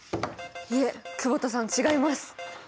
いえ久保田さん違います。